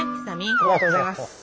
ありがとうございます。